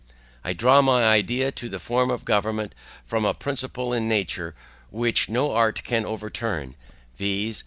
I draw my idea of the form of government from a principle in nature, which no art can overturn, viz.